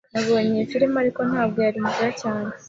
Nabonye iyo firime, ariko ntabwo yari nziza cyane.